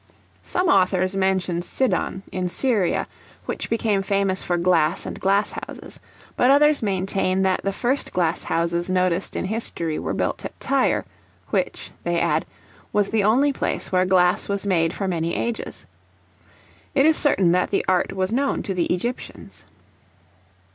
Some authors mention Sidon in Syria, which became famous for glass and glass houses; but others maintain that the first glass houses noticed in history were built at Tyre; which, they add, was the only place where glass was made for many ages. It is certain that the art was known to the Egyptians.